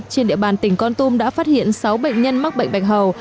trên địa bàn tỉnh con tum đã phát hiện sáu bệnh nhân mắc bệnh bạch hầu